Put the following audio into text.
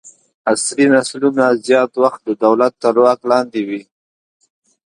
عصري نسلونه زیات وخت د دولت تر واک لاندې وو.